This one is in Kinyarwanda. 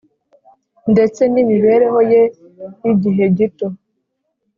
ndetse n’imibereho ye y’igihe gito,